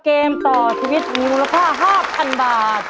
เกมต่อชีวิตมูลค่า๕๐๐๐บาท